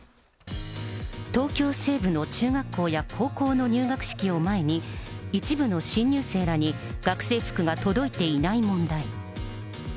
東京西部の中学校や高校の入学式を前に、一部の新入生らに学生服が届いていない問題。